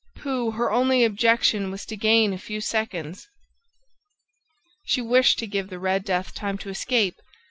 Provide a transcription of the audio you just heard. Pooh, her only object was to gain a few seconds! ... She wished to give the Red Death time to escape